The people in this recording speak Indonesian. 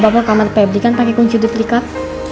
bapak kamar pebri kan pake kunci duduk rikat